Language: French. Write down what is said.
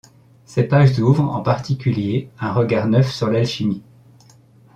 Ces pages ouvrent, en particulier, un regard neuf sur l'alchimie.